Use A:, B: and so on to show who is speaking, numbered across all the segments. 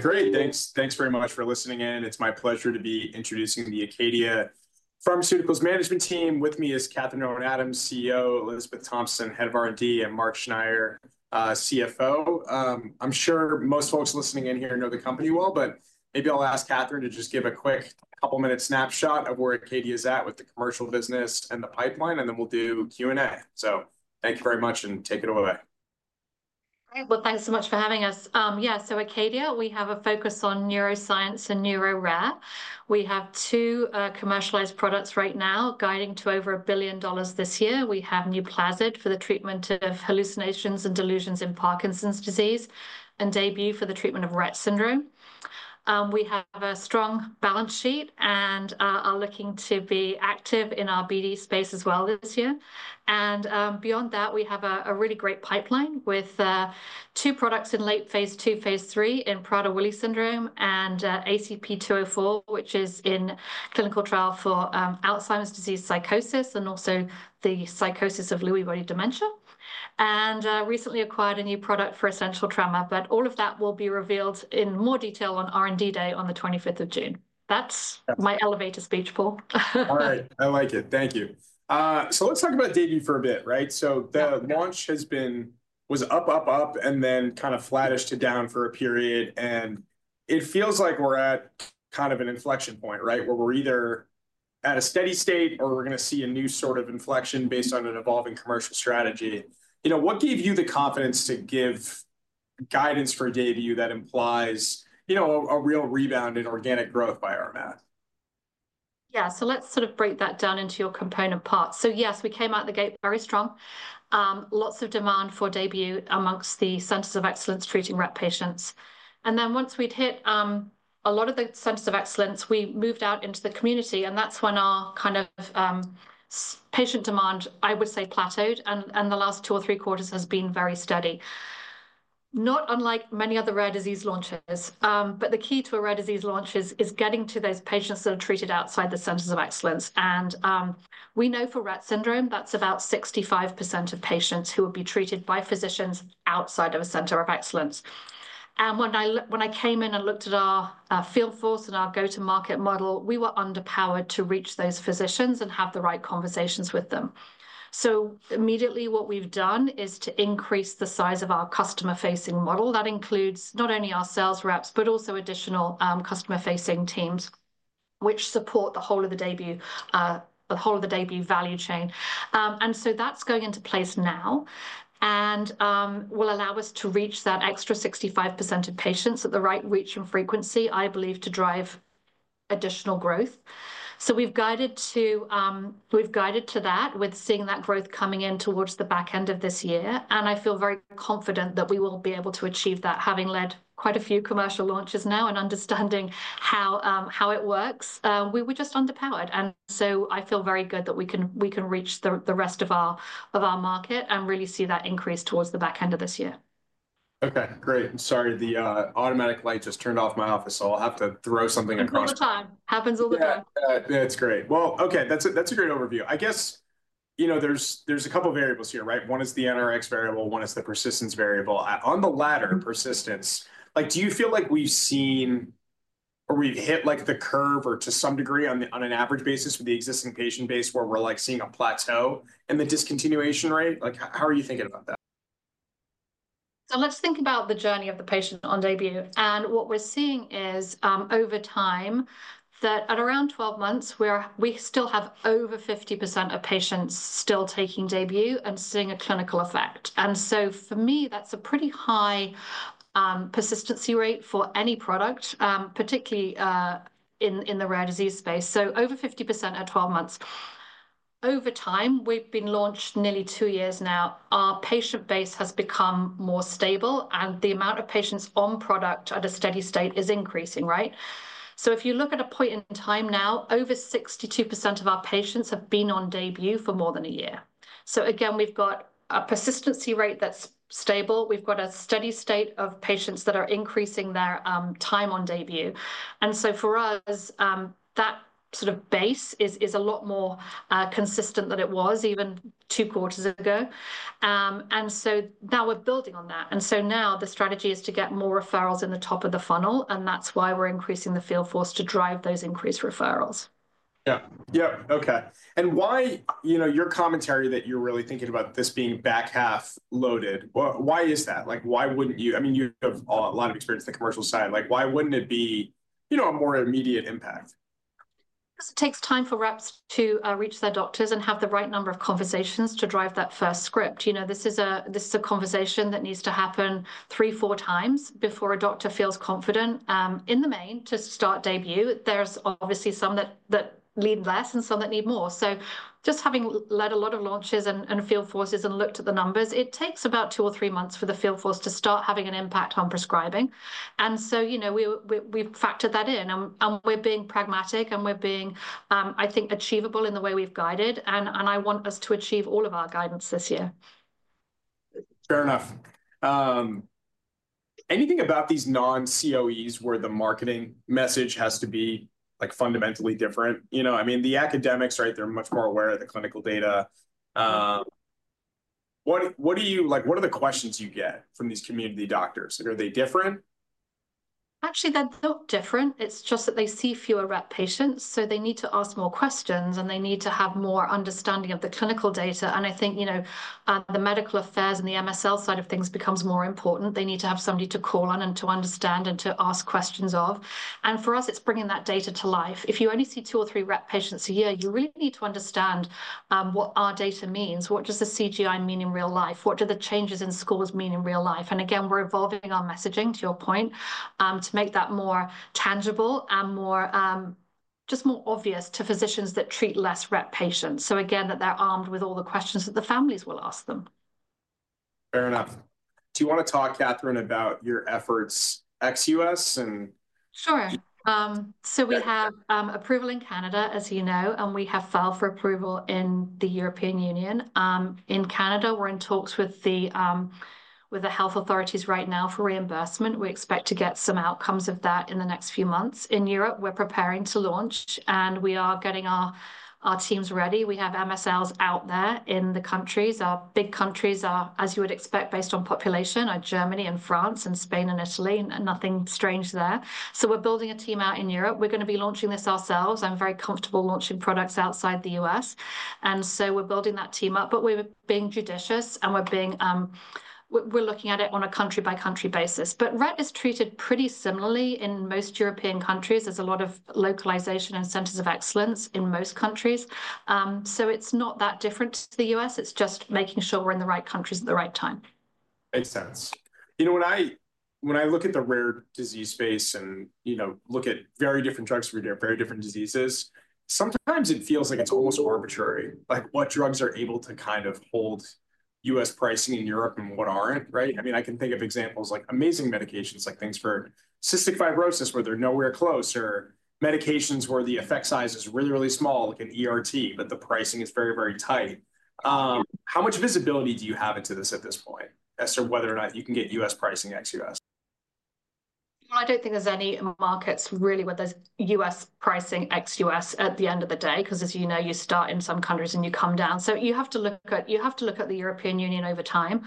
A: Great. Thanks very much for listening in. It's my pleasure to be introducing the ACADIA Pharmaceuticals Management Team. With me is Catherine Owen Adams, CEO, Elizabeth Thompson, Head of R&D, and Mark Schneyer, CFO. I'm sure most folks listening in here know the company well, but maybe I'll ask Catherine to just give a quick couple-minute snapshot of where ACADIA is at with the commercial business and the pipeline, and then we'll do Q&A. Thank you very much, and take it away.
B: Thanks so much for having us. Yeah, ACADIA, we have a focus on neuroscience and neuro rare. We have two commercialized products right now guiding to over $1 billion this year. We have Nuplazid for the treatment of hallucinations and delusions in Parkinson's disease and Daybue for the treatment of Rett syndrome. We have a strong balance sheet and are looking to be active in our BD space as well this year. Beyond that, we have a really great pipeline with two products in late phase two, phase three in Prader-Willi syndrome and ACP-204, which is in clinical trial for Alzheimer's disease psychosis and also the psychosis of Lewy body dementia. We recently acquired a new product for essential tremor, but all of that will be revealed in more detail on R&D Day on the 25th of June. That's my elevator speech, Paul.
A: All right. I like it. Thank you. Let's talk about Daybue for a bit, right? The launch has been up, up, up, and then kind of flattish to down for a period. It feels like we're at kind of an inflection point, right, where we're either at a steady state or we're going to see a new sort of inflection based on an evolving commercial strategy. You know, what gave you the confidence to give guidance for Daybue that implies, you know, a real rebound in organic growth by our math?
B: Yeah, let's sort of break that down into your component parts. Yes, we came out the gate very strong. Lots of demand for Daybue amongst the Centers of Excellence treating Rett patients. Once we'd hit a lot of the Centers of Excellence, we moved out into the community. That's when our kind of patient demand, I would say, plateaued. The last two or three quarters has been very steady. Not unlike many other rare disease launches, the key to a rare disease launch is getting to those patients that are treated outside the Centers of Excellence. We know for Rett syndrome, that's about 65% of patients who will be treated by physicians outside of a Center of Excellence. When I came in and looked at our field force and our go-to-market model, we were underpowered to reach those physicians and have the right conversations with them. Immediately what we've done is to increase the size of our customer-facing model. That includes not only our sales reps, but also additional customer-facing teams which support the whole of the Daybue, the whole of the Daybue value chain. That is going into place now and will allow us to reach that extra 65% of patients at the right reach and frequency, I believe, to drive additional growth. We've guided to that with seeing that growth coming in towards the back end of this year. I feel very confident that we will be able to achieve that, having led quite a few commercial launches now and understanding how it works. We were just underpowered. I feel very good that we can reach the rest of our market and really see that increase towards the back end of this year.
A: Okay, great. I'm sorry, the automatic light just turned off in my office, so I'll have to throw something across.
B: All the time. Happens all the time.
A: That's great. Okay, that's a great overview. I guess, you know, there's a couple of variables here, right? One is the NRx variable. One is the persistence variable. On the latter, persistence, like, do you feel like we've seen or we've hit like the curve or to some degree on an average basis with the existing patient base where we're like seeing a plateau in the discontinuation rate? Like, how are you thinking about that?
B: Let's think about the journey of the patient on Daybue. What we're seeing is over time that at around 12 months, we still have over 50% of patients still taking Daybue and seeing a clinical effect. For me, that's a pretty high persistency rate for any product, particularly in the rare disease space. Over 50% at 12 months. Over time, we've been launched nearly two years now. Our patient base has become more stable and the amount of patients on product at a steady state is increasing, right? If you look at a point in time now, over 62% of our patients have been on Daybue for more than a year. Again, we've got a persistency rate that's stable. We've got a steady state of patients that are increasing their time on Daybue. For us, that sort of base is a lot more consistent than it was even two quarters ago. Now we're building on that. Now the strategy is to get more referrals in the top of the funnel. That is why we're increasing the field force to drive those increased referrals.
A: Yeah. Yep. Okay. And why, you know, your commentary that you're really thinking about this being back half loaded, why is that? Like, why wouldn't you? I mean, you have a lot of experience in the commercial side. Like, why wouldn't it be, you know, a more immediate impact?
B: Because it takes time for reps to reach their doctors and have the right number of conversations to drive that first script. You know, this is a conversation that needs to happen three, four times before a doctor feels confident in the main to start Daybue. There's obviously some that need less and some that need more. Just having led a lot of launches and field forces and looked at the numbers, it takes about two or three months for the field force to start having an impact on prescribing. You know, we've factored that in. We're being pragmatic and we're being, I think, achievable in the way we've guided. I want us to achieve all of our guidance this year.
A: Fair enough. Anything about these non-COEs where the marketing message has to be like fundamentally different? You know, I mean, the academics, right, they're much more aware of the clinical data. What do you like, what are the questions you get from these community doctors? Are they different?
B: Actually, they're not different. It's just that they see fewer Rett patients. They need to ask more questions and they need to have more understanding of the clinical data. I think, you know, the medical affairs and the MSL side of things becomes more important. They need to have somebody to call on and to understand and to ask questions of. For us, it's bringing that data to life. If you only see two or three Rett patients a year, you really need to understand what our data means. What does the CGI mean in real life? What do the changes in scores mean in real life? Again, we're evolving our messaging to your point to make that more tangible and just more obvious to physicians that treat less Rett patients. That way, they're armed with all the questions that the families will ask them.
A: Fair enough. Do you want to talk, Catherine, about your efforts ex U.S. and?
B: Sure. We have approval in Canada, as you know, and we have filed for approval in the European Union. In Canada, we're in talks with the health authorities right now for reimbursement. We expect to get some outcomes of that in the next few months. In Europe, we're preparing to launch and we are getting our teams ready. We have MSLs out there in the countries. Our big countries are, as you would expect, based on population, Germany and France and Spain and Italy and nothing strange there. We are building a team out in Europe. We're going to be launching this ourselves. I'm very comfortable launching products outside the U.S., and we are building that team up, but we're being judicious and we're looking at it on a country-by-country basis. Rett is treated pretty similarly in most European countries. There's a lot of localization and Centers of Excellence in most countries. It is not that different to the U.S. It is just making sure we're in the right countries at the right time.
A: Makes sense. You know, when I look at the rare disease space and, you know, look at very different drugs every day, very different diseases, sometimes it feels like it's almost arbitrary, like what drugs are able to kind of hold US pricing in Europe and what aren't, right? I mean, I can think of examples like amazing medications, like things for cystic fibrosis where they're nowhere close or medications where the effect size is really, really small, like an ERT, but the pricing is very, very tight. How much visibility do you have into this at this point as to whether or not you can get US pricing ex US?
B: I don't think there's any markets really where there's US pricing ex US at the end of the day, because as you know, you start in some countries and you come down. You have to look at the European Union over time,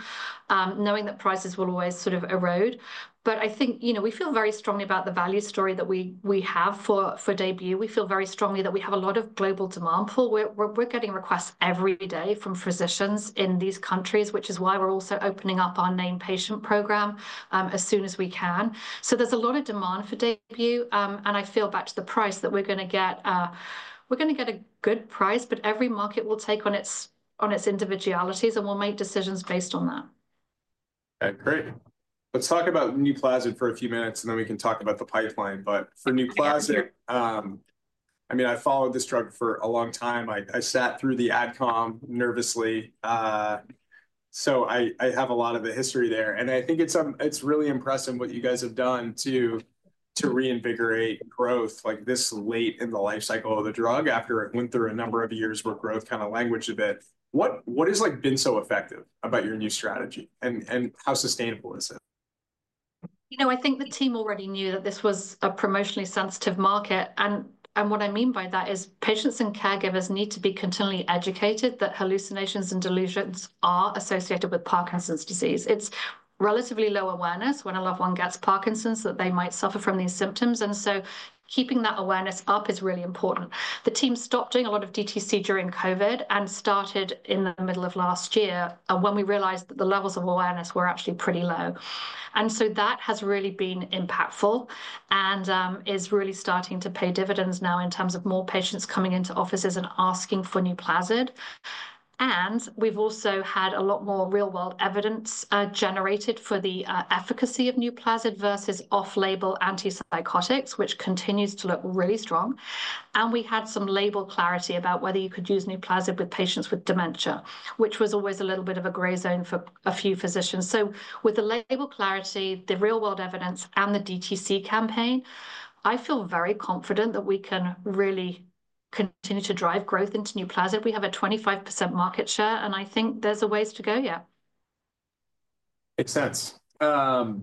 B: knowing that prices will always sort of erode. I think, you know, we feel very strongly about the value story that we have for Daybue. We feel very strongly that we have a lot of global demand for. We're getting requests every day from physicians in these countries, which is why we're also opening up our named patient program as soon as we can. There's a lot of demand for Daybue. I feel back to the price that we're going to get, we're going to get a good price, but every market will take on its individualities and we'll make decisions based on that.
A: Great. Let's talk about Nuplazid for a few minutes and then we can talk about the pipeline. For Nuplazid, I mean, I followed this drug for a long time. I sat through the adcom nervously. I have a lot of the history there. I think it's really impressive what you guys have done to reinvigorate growth like this late in the life cycle of the drug after it went through a number of years where growth kind of languished a bit. What has been so effective about your new strategy and how sustainable is it?
B: You know, I think the team already knew that this was a promotionally sensitive market. What I mean by that is patients and caregivers need to be continually educated that hallucinations and delusions are associated with Parkinson's disease. It's relatively low awareness when a loved one gets Parkinson's that they might suffer from these symptoms. Keeping that awareness up is really important. The team stopped doing a lot of DTC during COVID and started in the middle of last year when we realized that the levels of awareness were actually pretty low. That has really been impactful and is really starting to pay dividends now in terms of more patients coming into offices and asking for Nuplazid. We've also had a lot more real-world evidence generated for the efficacy of Nuplazid versus off-label antipsychotics, which continues to look really strong. We had some label clarity about whether you could use Nuplazid with patients with dementia, which was always a little bit of a gray zone for a few physicians. With the label clarity, the real-world evidence, and the DTC campaign, I feel very confident that we can really continue to drive growth into Nuplazid. We have a 25% market share, and I think there's a ways to go, yeah.
A: Makes sense. Do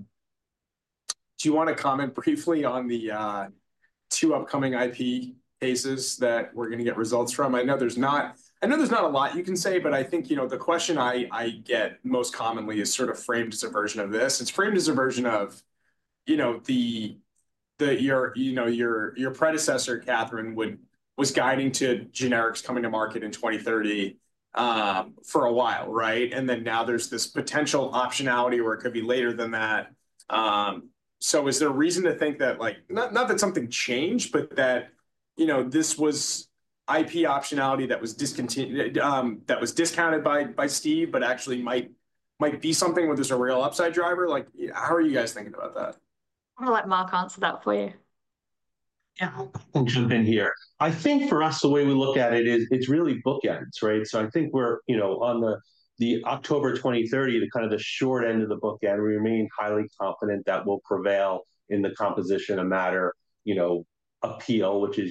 A: you want to comment briefly on the two upcoming IP cases that we're going to get results from? I know there's not, I know there's not a lot you can say, but I think, you know, the question I get most commonly is sort of framed as a version of this. It's framed as a version of, you know, your predecessor, Catherine, was guiding to generics coming to market in 2030 for a while, right? And now there's this potential optionality where it could be later than that. Is there a reason to think that, like, not that something changed, but that, you know, this was IP optionality that was discounted by Steve, but actually might be something where there's a real upside driver? Like, how are you guys thinking about that?
B: I'll let Mark answer that for you.
C: Yeah, I can jump in here. I think for us, the way we look at it is it's really bookends, right? I think we're, you know, on the October 2030, the kind of the short end of the bookend, we remain highly confident that we will prevail in the composition of matter, you know, appeal, which is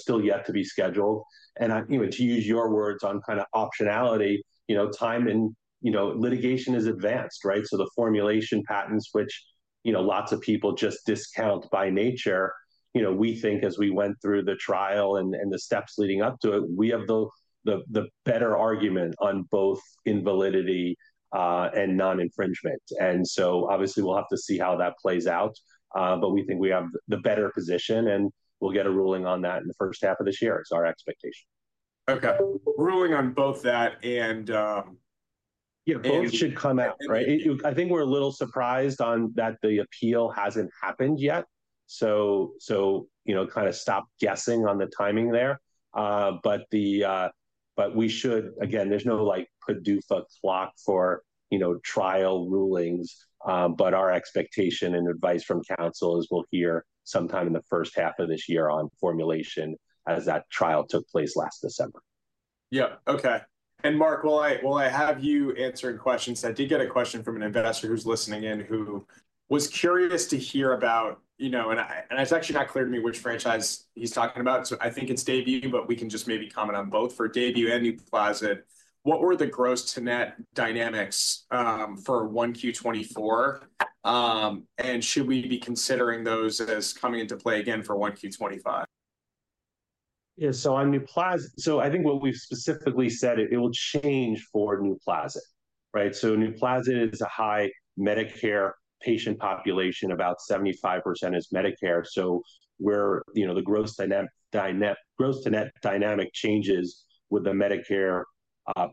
C: still yet to be scheduled. I, you know, to use your words on kind of optionality, you know, time and, you know, litigation is advanced, right? The formulation patents, which, you know, lots of people just discount by nature, you know, we think as we went through the trial and the steps leading up to it, we have the better argument on both invalidity and non-infringement. Obviously, we'll have to see how that plays out, but we think we have the better position and we'll get a ruling on that in the first half of this year. It's our expectation.
A: Okay. Ruling on both that and.
C: It should come out, right? I think we're a little surprised on that the appeal hasn't happened yet. You know, kind of stop guessing on the timing there. We should, again, there's no like PDUFA clock for, you know, trial rulings, but our expectation and advice from counsel is we'll hear sometime in the first half of this year on formulation as that trial took place last December.
A: Yeah. Okay. Mark, while I have you answering questions, I did get a question from an investor who's listening in who was curious to hear about, you know, and it's actually not clear to me which franchise he's talking about. I think it's Daybue, but we can just maybe comment on both for Daybue and Nuplazid. What were the gross-to-net dynamics for Q1'24? Should we be considering those as coming into play again for Q1'25?
C: Yeah. So on Nuplazid, I think what we've specifically said, it will change for Nuplazid, right? Nuplazid is a high Medicare patient population, about 75% is Medicare. We're, you know, the gross to net dynamic changes with the Medicare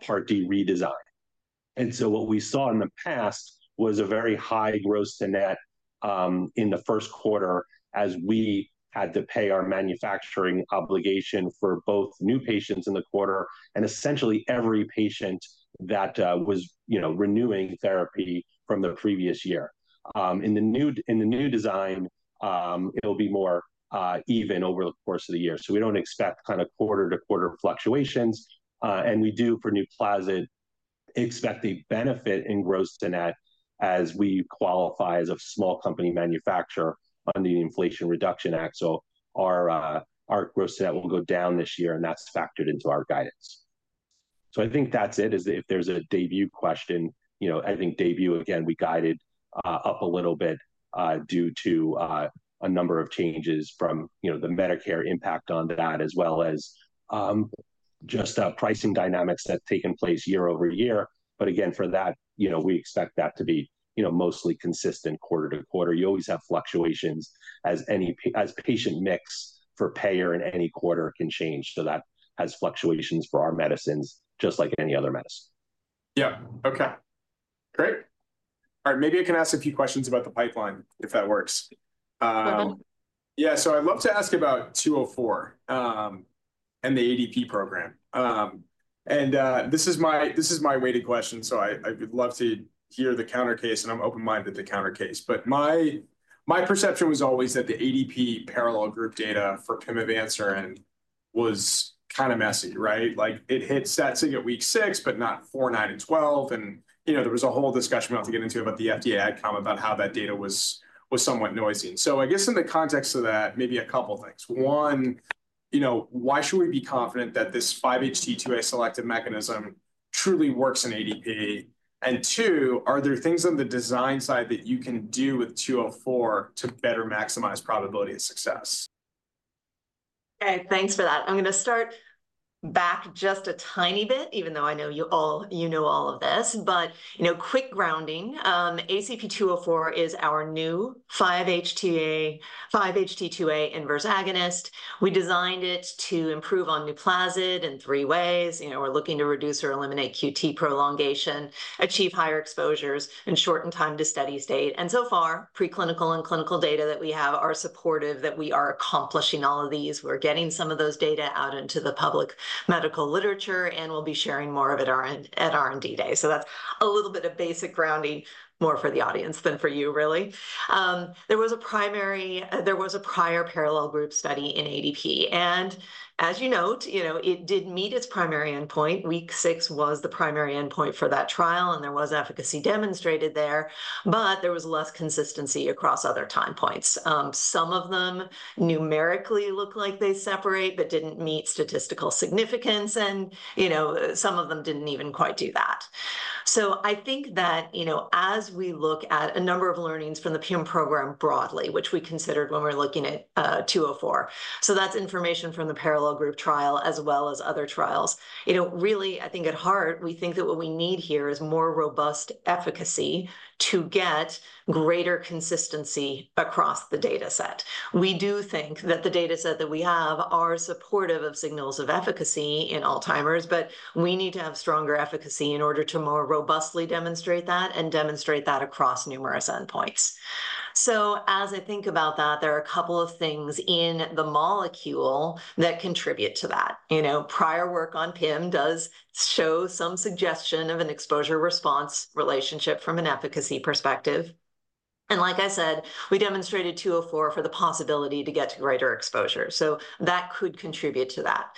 C: Part D redesign. What we saw in the past was a very high gross to net in the first quarter as we had to pay our manufacturing obligation for both new patients in the quarter and essentially every patient that was, you know, renewing therapy from the previous year. In the new design, it'll be more even over the course of the year. We don't expect kind of quarter to quarter fluctuations. We do for Nuplazid expect a benefit in gross to net as we qualify as a small company manufacturer under the Inflation Reduction Act. Our gross-to-net will go down this year and that's factored into our guidance. I think that's it. If there's a Daybue question, you know, I think Daybue, again, we guided up a little bit due to a number of changes from, you know, the Medicare impact on that as well as just pricing dynamics that's taken place year over year. Again, for that, you know, we expect that to be, you know, mostly consistent quarter to quarter. You always have fluctuations as any patient mix for payer in any quarter can change. That has fluctuations for our medicines just like any other medicine.
A: Yeah. Okay. Great. All right. Maybe I can ask a few questions about the pipeline if that works.
B: Go ahead.
A: Yeah. So I'd love to ask about 204 and the ADP program. And this is my weighted question. So I would love to hear the countercase and I'm open-minded to countercase. But my perception was always that the ADP parallel group data for pimavanserin was kind of messy, right? Like it hit SAPS at week six, but not four, nine, and twelve. And, you know, there was a whole discussion we don't have to get into about the FDA adcom about how that data was somewhat noisy. So I guess in the context of that, maybe a couple of things. One, you know, why should we be confident that this 5-HT2A selective mechanism truly works in ADP? And two, are there things on the design side that you can do with 204 to better maximize probability of success?
B: Okay. Thanks for that. I'm going to start back just a tiny bit, even though I know you all, you know all of this, but, you know, quick grounding, ACP-204 is our new 5-HT2A inverse agonist. We designed it to improve on Nuplazid in three ways. You know, we're looking to reduce or eliminate QT prolongation, achieve higher exposures, and shorten time to steady state. So far, preclinical and clinical data that we have are supportive that we are accomplishing all of these. We're getting some of those data out into the public medical literature and we'll be sharing more of it at R&D day. That's a little bit of basic grounding more for the audience than for you, really. There was a prior parallel group study in ADP. As you note, you know, it did meet its primary endpoint. Week six was the primary endpoint for that trial and there was efficacy demonstrated there, but there was less consistency across other time points. Some of them numerically look like they separate, but did not meet statistical significance. You know, some of them did not even quite do that. I think that, you know, as we look at a number of learnings from the Pim program broadly, which we considered when we are looking at 204, that is information from the parallel group trial as well as other trials. You know, really, I think at heart, we think that what we need here is more robust efficacy to get greater consistency across the data set. We do think that the data set that we have are supportive of signals of efficacy in Alzheimer's, but we need to have stronger efficacy in order to more robustly demonstrate that and demonstrate that across numerous endpoints. As I think about that, there are a couple of things in the molecule that contribute to that. You know, prior work on Pim does show some suggestion of an exposure response relationship from an efficacy perspective. Like I said, we demonstrated 204 for the possibility to get to greater exposure. That could contribute to that.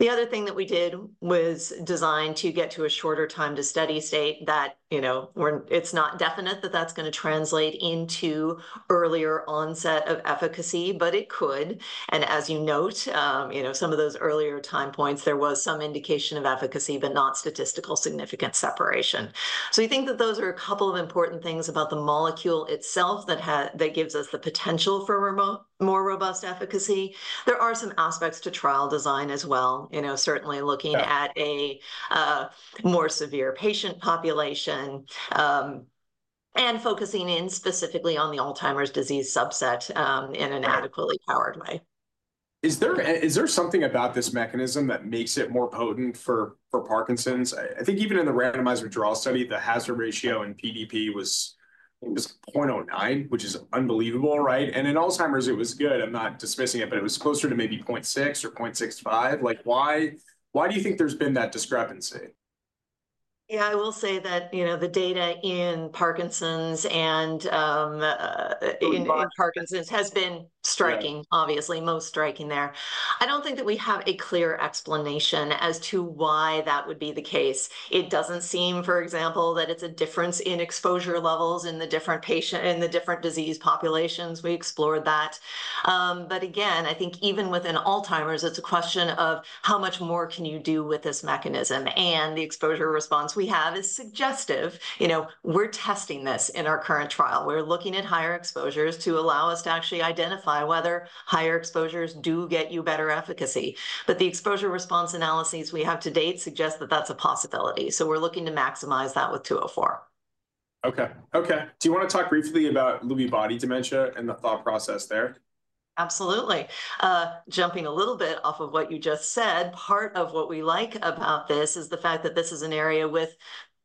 B: The other thing that we did was designed to get to a shorter time to steady state that, you know, it's not definite that that's going to translate into earlier onset of efficacy, but it could. As you note, you know, some of those earlier time points, there was some indication of efficacy, but not statistical significant separation. We think that those are a couple of important things about the molecule itself that gives us the potential for more robust efficacy. There are some aspects to trial design as well, you know, certainly looking at a more severe patient population and focusing in specifically on the Alzheimer's disease subset in an adequately powered way.
A: Is there something about this mechanism that makes it more potent for Parkinson's? I think even in the randomized withdrawal study, the hazard ratio in PDP was 0.09, which is unbelievable, right? In Alzheimer's, it was good. I'm not dismissing it, but it was closer to maybe 0.6 or 0.65. Like why do you think there's been that discrepancy?
B: Yeah, I will say that, you know, the data in Parkinson's and in Parkinson's has been striking, obviously most striking there. I don't think that we have a clear explanation as to why that would be the case. It doesn't seem, for example, that it's a difference in exposure levels in the different patient in the different disease populations. We explored that. Again, I think even within Alzheimer's, it's a question of how much more can you do with this mechanism? The exposure response we have is suggestive. You know, we're testing this in our current trial. We're looking at higher exposures to allow us to actually identify whether higher exposures do get you better efficacy. The exposure response analyses we have to date suggest that that's a possibility. We're looking to maximize that with 204.
A: Okay. Okay. Do you want to talk briefly about Lewy body dementia and the thought process there?
B: Absolutely. Jumping a little bit off of what you just said, part of what we like about this is the fact that this is an area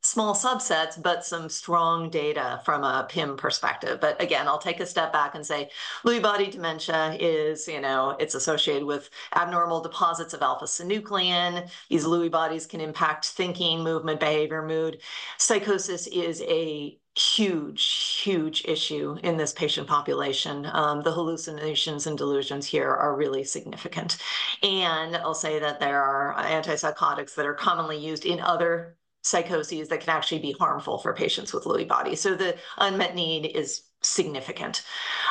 B: with small subsets, but some strong data from a Pim perspective. Again, I'll take a step back and say Lewy body dementia is, you know, it's associated with abnormal deposits of alpha-synuclein. These Lewy bodies can impact thinking, movement, behavior, mood. Psychosis is a huge, huge issue in this patient population. The hallucinations and delusions here are really significant. I'll say that there are antipsychotics that are commonly used in other psychoses that can actually be harmful for patients with Lewy bodies. The unmet need is significant.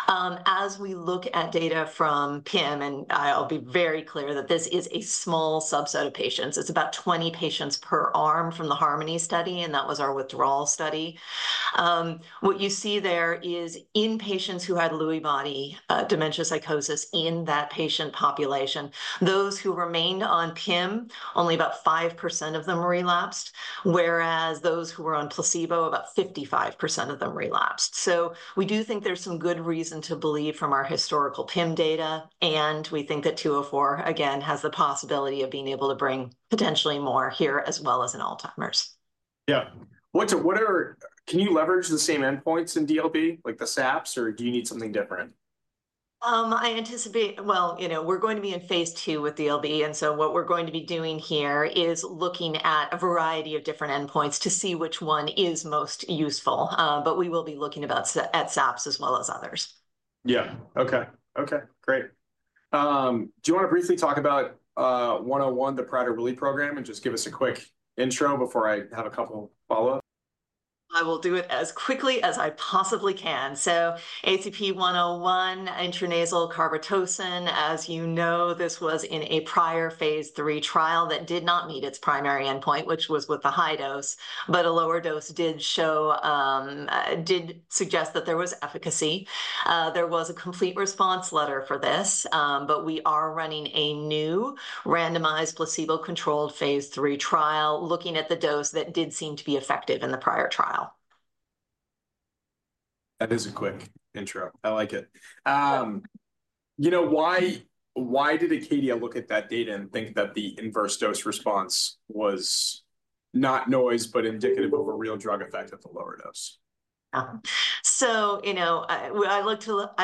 B: As we look at data from Pim, I'll be very clear that this is a small subset of patients. It's about 20 patients per arm from the Harmony study, and that was our withdrawal study. What you see there is in patients who had Lewy body dementia psychosis in that patient population, those who remained on Pim, only about 5% of them relapsed, whereas those who were on placebo, about 55% of them relapsed. We do think there's some good reason to believe from our historical Pim data, and we think that 204 again has the possibility of being able to bring potentially more here as well as in Alzheimer's.
A: Yeah. What are, can you leverage the same endpoints in DLB, like the SAPS, or do you need something different?
B: I anticipate, you know, we're going to be in phase two with DLB. What we're going to be doing here is looking at a variety of different endpoints to see which one is most useful. We will be looking at SAPS as well as others.
A: Yeah. Okay. Okay. Great. Do you want to briefly talk about 101, the Prader-Willi program, and just give us a quick intro before I have a couple of follow-ups?
B: I will do it as quickly as I possibly can. ACP-101, intranasal carbetocin, as you know, this was in a prior phase three trial that did not meet its primary endpoint, which was with the high dose, but a lower dose did show, did suggest that there was efficacy. There was a complete response letter for this, but we are running a new randomized placebo-controlled phase three trial looking at the dose that did seem to be effective in the prior trial.
A: That is a quick intro. I like it. You know, why did Acadia look at that data and think that the inverse dose response was not noise, but indicative of a real drug effect at the lower dose?
B: You know, I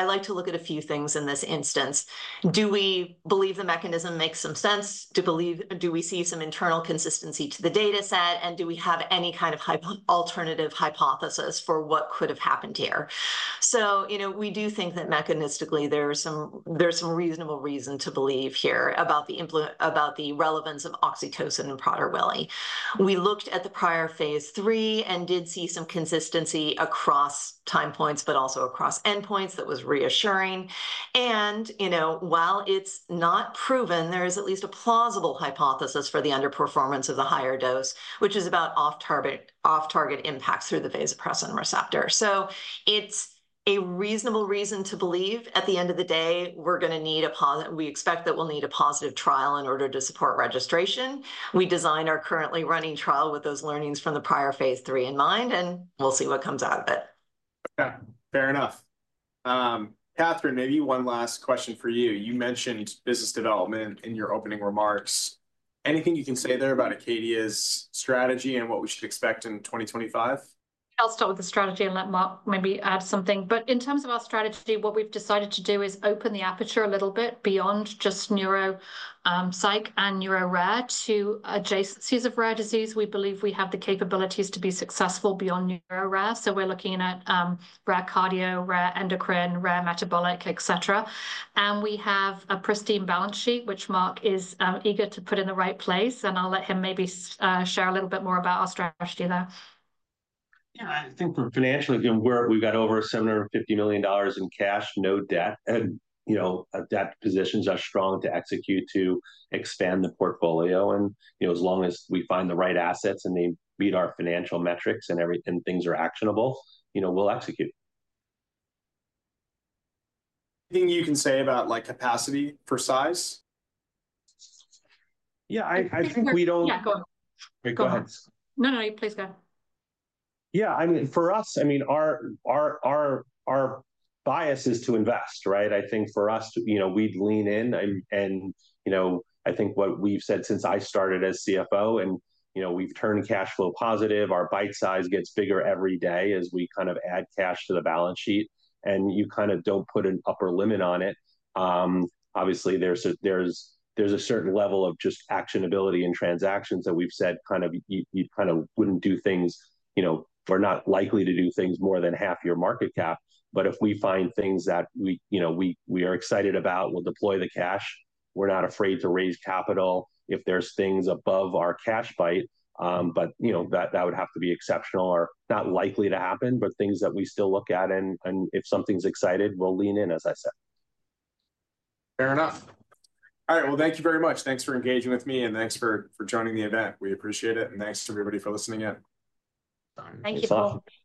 B: like to look at a few things in this instance. Do we believe the mechanism makes some sense? Do we see some internal consistency to the data set? Do we have any kind of alternative hypothesis for what could have happened here? You know, we do think that mechanistically there's some reasonable reason to believe here about the relevance of oxytocin and Prader-Willi. We looked at the prior phase three and did see some consistency across time points, but also across endpoints that was reassuring. You know, while it's not proven, there is at least a plausible hypothesis for the underperformance of the higher dose, which is about off-target impacts through the vasopressin receptor. It is a reasonable reason to believe at the end of the day, we're going to need a, we expect that we'll need a positive trial in order to support registration. We design our currently running trial with those learnings from the prior phase three in mind, and we'll see what comes out of it.
A: Yeah. Fair enough. Catherine, maybe one last question for you. You mentioned business development in your opening remarks. Anything you can say there about Acadia's strategy and what we should expect in 2025?
B: I'll start with the strategy and let Mark maybe add something. In terms of our strategy, what we've decided to do is open the aperture a little bit beyond just neuropsych and neuro rare to adjacencies of rare disease. We believe we have the capabilities to be successful beyond neuro rare. We are looking at rare cardio, rare endocrine, rare metabolic, et cetera. We have a pristine balance sheet, which Mark is eager to put in the right place. I'll let him maybe share a little bit more about our strategy there. Yeah, I think from a financial account, we've got over $750 million in cash, no debt. You know, that positions are strong to execute to expand the portfolio. You know, as long as we find the right assets and they meet our financial metrics and everything, things are actionable, you know, we'll execute.
A: Anything you can say about like capacity for size?
C: Yeah, I think we don't.
B: Yeah, go ahead.
C: Go ahead.
B: No, please go.
C: Yeah, I mean, for us, I mean, our bias is to invest, right? I think for us, you know, we'd lean in and, you know, I think what we've said since I started as CFO and, you know, we've turned cash flow positive, our bite size gets bigger every day as we kind of add cash to the balance sheet and you kind of don't put an upper limit on it. Obviously, there's a certain level of just actionability and transactions that we've said kind of you kind of wouldn't do things, you know, or not likely to do things more than half your market cap. If we find things that we, you know, we are excited about, we'll deploy the cash. We're not afraid to raise capital if there's things above our cash bite. You know, that would have to be exceptional or not likely to happen, but things that we still look at. If something's excited, we'll lean in, as I said.
A: Fair enough. All right. Thank you very much. Thanks for engaging with me and thanks for joining the event. We appreciate it. Thanks to everybody for listening in.
B: Thank you both.
A: All right.